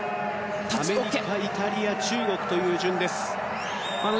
アメリカ、イタリア中国という順です。